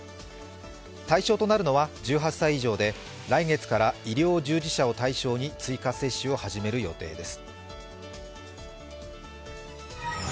対象となるのは１８歳以上で、来月から医療従事者を対象に追加接種を始める予定です。